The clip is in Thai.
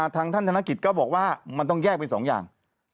ทางท่านธนกิจก็บอกว่ามันต้องแยกเป็นสองอย่าง